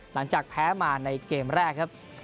หลังจากแพ้มาในเกมแรกครับ